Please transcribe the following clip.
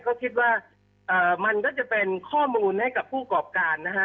ก็คิดว่ามันก็จะเป็นข้อมูลให้กับผู้กรอบการนะฮะ